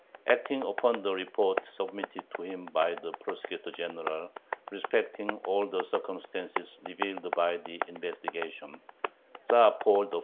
Acting upon the report submitted to him by the Prosecutor General respecting "all the circumstances revealed by the investigation," Tzar Paul I.